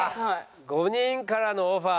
５人からのオファー。